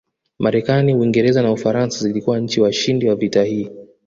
Marekani Uingereza na Ufaransa zilikuwa nchi washindi wa vita hii